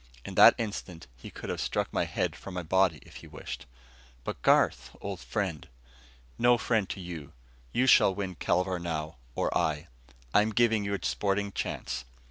In that instant he could have struck my head from my body, if he wished. "But, Garth, old friend " "No friend to you. You shall win Kelvar now, or I. I'm giving you a sporting chance.